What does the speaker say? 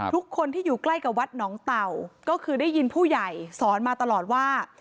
ทุกคนที่อยู่ใกล้กับวัดหนองเต่าก็คือได้ยินผู้ใหญ่สอนมาตลอดว่า